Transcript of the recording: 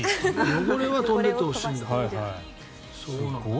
汚れは飛んでってほしいんだ。